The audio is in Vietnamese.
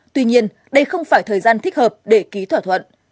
tuy nhiên đây không phải thời gian thích hợp để ký thỏa thuận